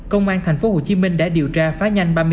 công an tp hcm đã điều tra phá nhanh